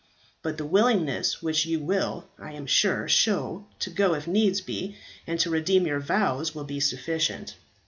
But the willingness which you will, I am sure, show to go if needs be, and to redeem your vows, will be sufficient.